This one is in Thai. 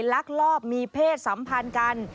ลักลอบมีเพศสัมพันธ์กัน